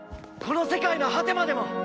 この世界の果てまでも！